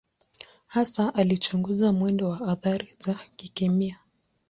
Hasa alichunguza mwendo wa athari za kikemia.